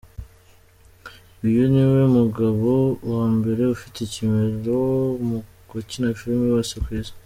Uyu niwe mugabo wa mbere ufite ikimero mu bakina filimi bose ku isi.